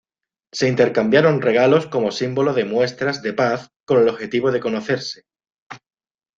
Se intercambiaron regalos como símbolo de muestras de paz con el objetivo de conocerse.